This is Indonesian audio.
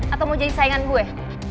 atau mau jadi saingan gue